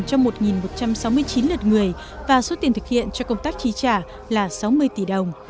cho một một trăm sáu mươi chín lượt người và số tiền thực hiện cho công tác chi trả là sáu mươi tỷ đồng